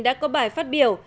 đã có bài phát biểu